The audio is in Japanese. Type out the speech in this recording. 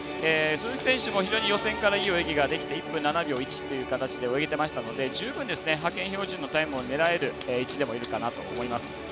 鈴木選手も非常に予選からいい泳ぎができて１分７秒１という形で泳げていましたので十分、派遣標準を狙える位置でもあるかなと思います。